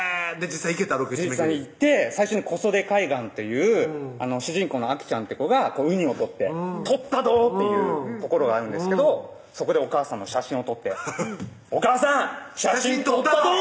実際行って最初に小袖海岸という主人公のアキちゃんって子がうにを取って「取ったど！」って言うところがあるんですけどそこでおかあさんの写真を撮って「あかあさん写真撮ったど！」